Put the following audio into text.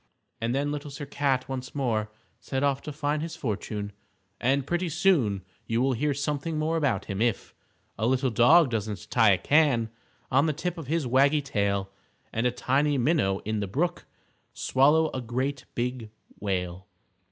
And then Little Sir Cat once more set off to find his fortune, and pretty soon you will hear something more about him, if _A little dog doesn't tie a can On the tip of his waggy tail, And a tiny minnow in the brook Swallow a great big whale.